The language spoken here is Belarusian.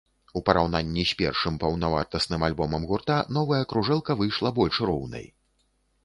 У параўнанні з першым паўнавартасным альбомам гурта, новая кружэлка выйшла больш роўнай.